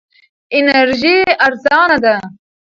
انرژي ارزانه ده.